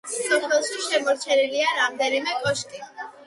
სოფელში შემორჩენილია რამდენიმე კოშკი.